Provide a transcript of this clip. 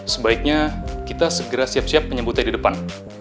sebaiknya kita segera siap siap menyebutnya di depan